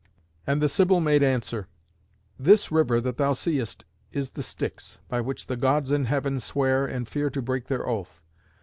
And the Sibyl made answer: "This river that thou seest is the Styx, by which the Gods in heaven swear, and fear to break their oath.